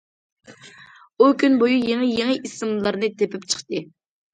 ئۇ كۈن بويى يېڭى- يېڭى ئىسىملارنى تېپىپ چىقتى.